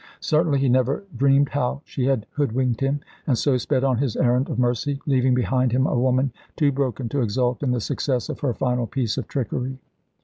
Certainly he never dreamed how she had hoodwinked him, and so sped on his errand of mercy, leaving behind him a woman too broken to exult in the success of her final piece of trickery.